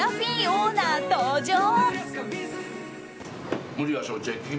オーナー登場！